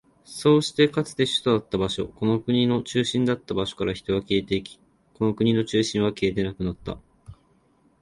そうして、かつて首都だった場所、この国の中心だった場所から人は消えていき、この国の中心は消えてなくなった。